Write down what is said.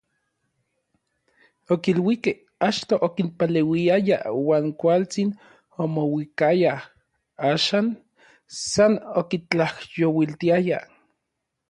Okiluikej achto okinpaleuiaya uan kualtsin omouikayaj, Axan san okintlajyouiltiaya.